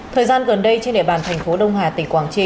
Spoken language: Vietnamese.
thời gian gần đây trên địa bàn thành phố đông hà